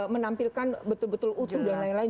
menampilkan betul betul utuh dan lain lain